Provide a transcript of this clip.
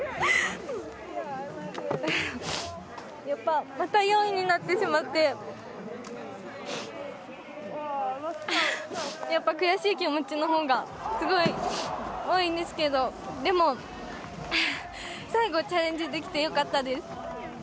やっぱ、また４位になってしまって、やっぱ悔しい気持ちのほうが、すごい多いんですけど、でも最後、チャレンジできてよかったです。